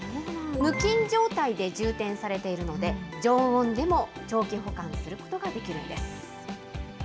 無菌状態で充填されているので、常温でも長期保管することができるんです。